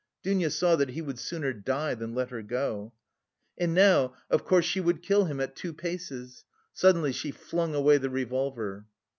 Dounia saw that he would sooner die than let her go. "And... now, of course she would kill him, at two paces!" Suddenly she flung away the revolver.